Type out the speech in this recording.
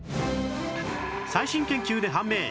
最新研究で判明！